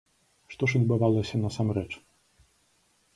Што ж адбывалася насамрэч?